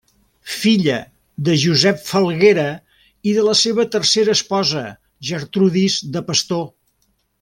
Filla de Josep Falguera i de la seva tercera esposa Gertrudis de Pastor.